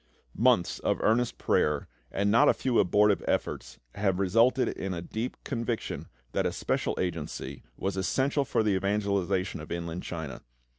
Months of earnest prayer and not a few abortive efforts had resulted in a deep conviction that a special agency was essential for the evangelisation of Inland China.